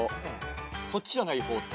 そっちじゃない方。